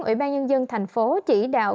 ủy ban nhân dân thành phố chỉ đạo